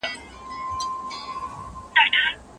باور په ځان باندي تر ټولو ښه پانګه ده.